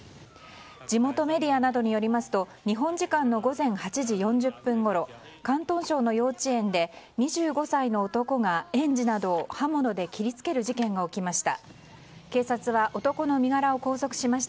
地元メディアなどによりますと日本時間の午前８時４０分ごろ広東省の幼稚園で２５歳の男が、園児などを刃物で切り付ける事件が起きました。